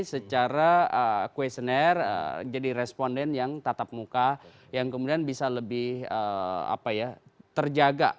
secara questionnaire jadi responden yang tatap muka yang kemudian bisa lebih terjaga